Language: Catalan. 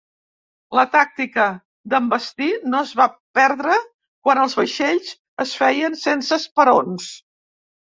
La tàctica d'envestir no es va perdre quan els vaixells es feien sense esperons.